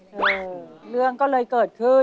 เออเรื่องก็เลยเกิดขึ้น